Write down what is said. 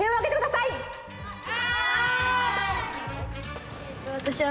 はい！